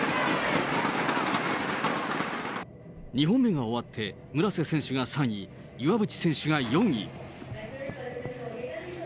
２本目が終わって、村瀬選手が３位、岩渕選手が４位。